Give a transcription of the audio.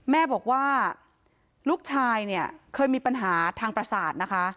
แม่บอกว่าลูกชายเคยมีปัญหาทางประสาท